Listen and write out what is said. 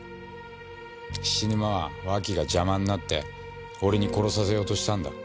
菱沼は脇が邪魔になって俺に殺させようとしたんだ。